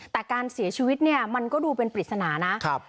แต่การเสียชีวิตเนี่ยมันก็ดูเป็นปริศนานะ